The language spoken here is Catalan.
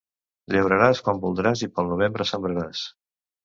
Llauraràs quan voldràs i pel novembre sembraràs.